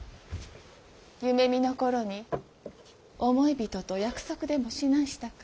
梅見のころに想い人と約束でもしなんしたか？